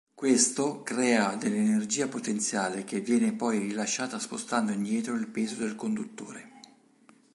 Questo crea dell'energia potenziale che viene poi rilasciata spostando indietro il peso del conduttore.